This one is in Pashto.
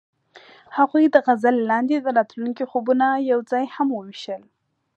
هغوی د غزل لاندې د راتلونکي خوبونه یوځای هم وویشل.